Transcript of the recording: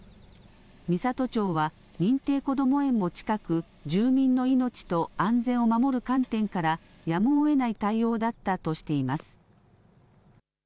美郷町は認定こども園も近く住民の命と安全を守る観点からやむをえない対応だったとしています。